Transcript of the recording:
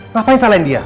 ngapain salahin dia